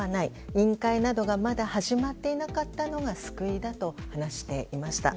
委員会などがまだ始まっていなかったのが救いだと話していました。